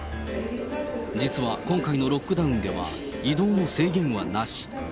実は今回のロックダウンでは、移動の制限はなし。